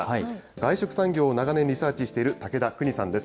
外食産業を長年リサーチしている、竹田クニさんです。